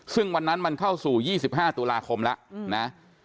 ซึ่งวันนั้นมันเข้าสู่๒๕ตุลาคมแล้วนะ